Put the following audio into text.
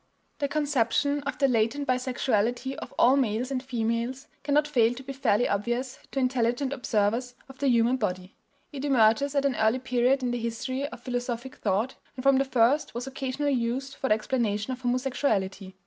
The conception of the latent bisexuality of all males and females cannot fail to be fairly obvious to intelligent observers of the human body. It emerges at an early period in the history of philosophic thought, and from the first was occasionally used for the explanation of homosexuality.